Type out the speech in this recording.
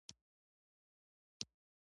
ښکلا د انسان ذوق او سلیقه ښيي.